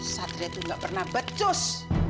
satria itu nggak pernah bejos